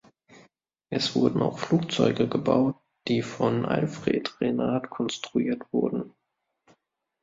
Es wurden auch Flugzeuge gebaut, die von Alfred Renard konstruiert wurden.